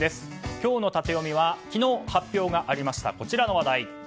今日のタテヨミは昨日発表がありましたこちらの話題。